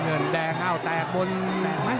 ติดตามยังน้อยกว่า